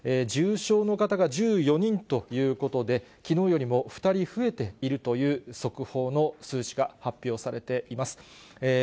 重症の方が１４人ということで、きのうよりも２人増えているという速報の数字が発表されています。